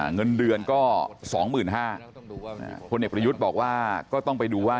เงินเดือนก็๒๕๐๐คนเอกประยุทธ์บอกว่าก็ต้องไปดูว่า